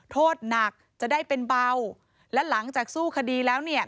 โทษหนักจะได้เป็นเบาและหลังจากสู้คดีแล้วเนี่ย